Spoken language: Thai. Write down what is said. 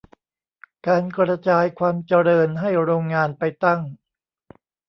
การ "กระจายความเจริญ" ให้โรงงานไปตั้ง